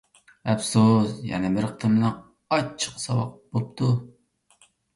ئەپسۇس، يەنە بىر قېتىملىق ئاچچىق ساۋاق بوپتۇ.